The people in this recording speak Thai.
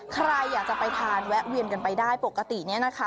ใครอยากจะไปทานแวะเวียนกันไปได้ปกติเนี่ยนะคะ